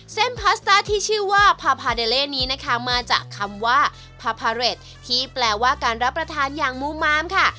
พาสต้าที่ชื่อว่าพาพาเดเล่นี้นะคะมาจากคำว่าพาพาเรทที่แปลว่าการรับประทานอย่างมูมามค่ะ